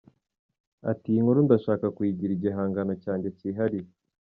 Ati “Iyi nkuru ndashaka kuyigira igihangano cyanjye cyihariye.